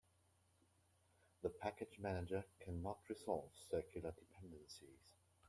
The package manager cannot resolve circular dependencies.